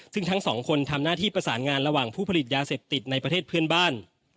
ซึ่งทั้งสองคนทำหน้าที่ประสานงานระหว่างผู้ผลิตยาเสพติดในประเทศเพื่อนบ้าน